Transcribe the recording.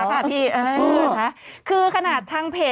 กรมป้องกันแล้วก็บรรเทาสาธารณภัยนะคะ